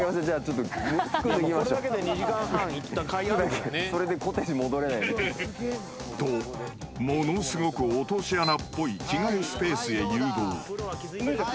［とものすごく落とし穴っぽい着替えスペースへ誘導］